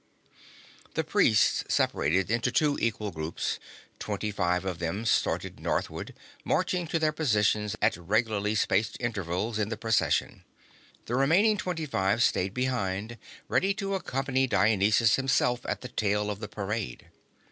The priests separated into two equal groups. Twenty five of them started northward, marching to their positions at regularly spaced intervals in the procession. The remaining twenty five stayed behind, ready to accompany Dionysus himself at the tail of the parade.